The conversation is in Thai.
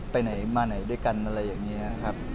ไปไหนมาไหนด้วยกันอะไรอย่างนี้ครับ